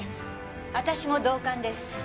私も同感です。